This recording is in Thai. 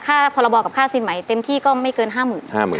พรบกับค่าสินใหม่เต็มที่ก็ไม่เกิน๕๐๐๐